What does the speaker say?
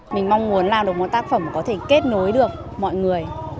mình mong muốn làm được một tác phẩm có thể kết nối được mọi người